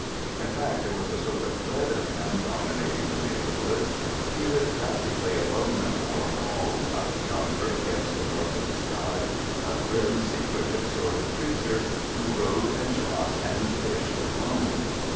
In fact, there was a sort of dread of him dominating the neighbourhood. He lived practically alone at Moor Hall, up yonder against the northern sky, a grim, secretive sort of creature who rode, and shot, and fished alone.